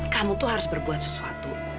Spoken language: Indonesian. kamu tuh harus berbuat sesuatu